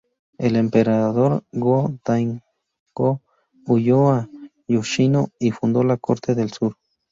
El Emperador Go-Daigo huyó a Yoshino y fundó la Corte del Sur.